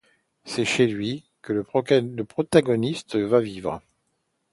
C'est chez lui que le protagoniste va vivre.